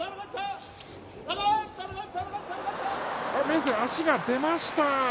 明生、足が出ました。